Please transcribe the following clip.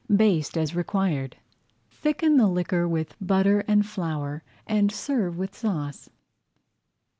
Baste as required. Thicken the liquor with butter and flour and serve with the sauce.